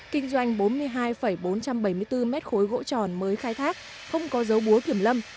kinh doanh bốn mươi hai bốn trăm bảy mươi bốn mét khối gỗ tròn mới khai thác không có dấu búa kiểm lâm